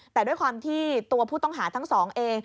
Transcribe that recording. แต่ด้วยความที่ตัวผู้ต้องหาทั้งสองเอง